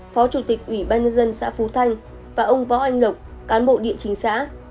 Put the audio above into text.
phó chủ tịch ủy ban nhân dân xã phú thanh và ông võ anh lộc cán bộ địa chính xã